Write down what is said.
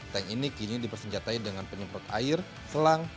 tank ini kini dipersenjatai dengan penyemprot air selang